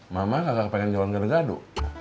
mama nggak kepengen jalan gado gado